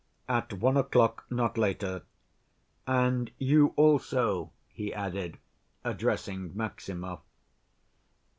At one o'clock, not later. And you also," he added, addressing Maximov.